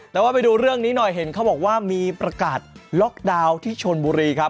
แต่ว่าไปดูเรื่องนี้หน่อยเห็นเขาบอกว่ามีประกาศล็อกดาวน์ที่ชนบุรีครับ